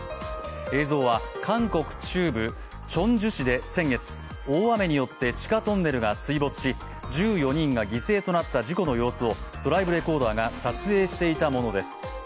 映像は韓国中部・チョンジュ市で先月、大雨によって地下トンネルが水没し、１４人が犠牲となった事故の様子をドライブレコーダーが撮影していたものです。